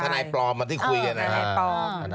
ทันายปลอมเหมือนที่คุยกันนะ